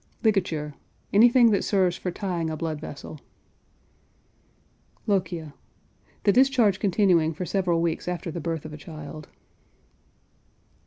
LIGATURE. Anything that serves for tying a blood vessel. LOCHIA. The discharge continuing for several weeks after the birth of a child.